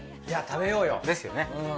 いや食べようよ。ですよね。